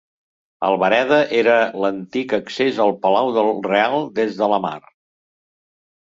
L'Albereda era l'antic accés al Palau del Real des de la mar.